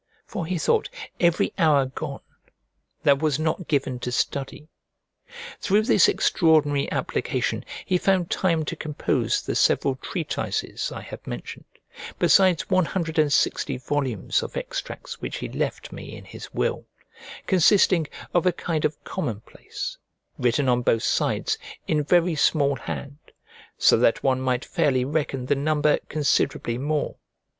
For he thought every hour gone that was not given to study. Through this extraordinary application he found time to compose the several treatises I have mentioned, besides one hundred and sixty volumes of extracts which he left me in his will, consisting of a kind of common place, written on both sides, in very small hand, so that one might fairly reckon the number considerably more.